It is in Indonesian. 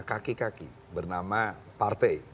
kaki kaki bernama partai